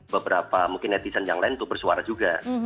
beberapa mungkin netizen yang lain tuh bersuara juga